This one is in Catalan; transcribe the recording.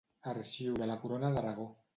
Arxiu de la Corona d'Aragó.